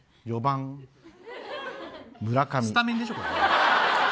スタメンでしょ。